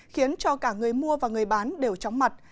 khiến cho cả người mua và người bán đều chóng mặt